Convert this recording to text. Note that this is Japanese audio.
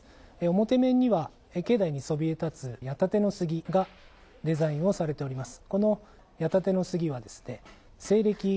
表面には境内にそびえ立つ矢立の杉がデザインされております。